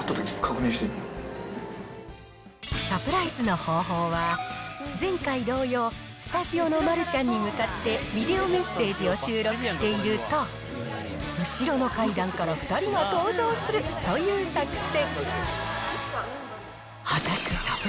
サプライズの方法は、前回同様、スタジオの丸ちゃんに向かってビデオメッセージを収録していると、後ろの階段から２人が登場するという作戦。